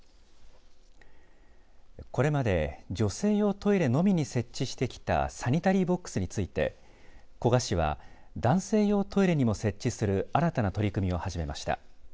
これまで女性用トイレのみに設置してきたサニタリーボックスについて古賀市は男性用トイレにも設置する新たな取り組みを始めました。